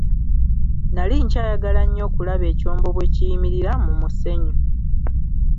Nali nkyayagala nnyo okulaba ekyombo bwe kiyimirira mu musenyu.